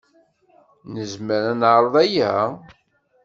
Nezmer ad neɛreḍ aya?